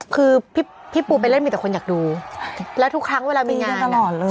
คือพี่ปูไปเล่นมีแต่คนอยากดูแล้วทุกครั้งเวลามีเงินตลอดเลย